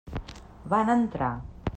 Van entrar.